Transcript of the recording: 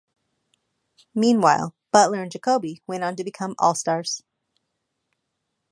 Meanwhile, Butler and Jacoby went on to become All-Stars.